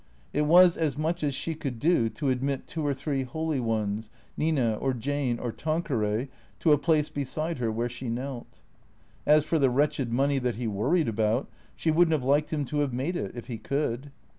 It was as much as she could do to admit two or three holy ones, Nina or Jane or Tanqveray, to a place beside her where she knelt. As for the wretched money that he worried about, she would n't have liked him to have made it, if he could.